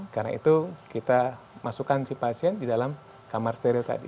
karena itu kita masukkan si pasien di dalam kamar steril tadi